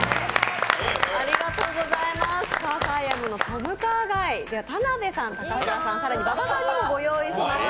クァーサイヤムのトムカーガイ田辺さん、高倉さん、更に馬場さんにもご用意しました。